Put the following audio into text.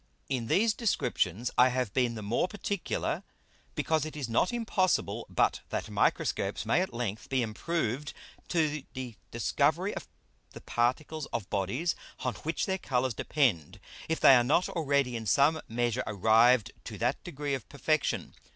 In these Descriptions I have been the more particular, because it is not impossible but that Microscopes may at length be improved to the discovery of the Particles of Bodies on which their Colours depend, if they are not already in some measure arrived to that degree of perfection.